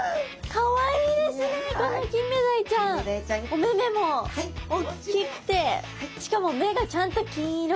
お目々もおっきくてしかも目がちゃんと金色！